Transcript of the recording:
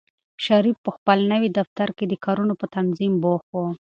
شریف په خپل نوي دفتر کې د کارونو په تنظیم بوخت و.